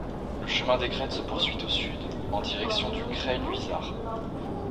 Le chemin des crêtes se poursuit au sud en direction du crêt Luisard.